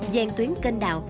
giàn tuyến kênh đạo